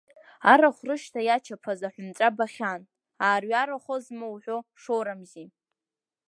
Арахә рышьҭа иачаԥаз аҳәынҵәа бахьан, аарҩарахозма уҳәо шоурамзи.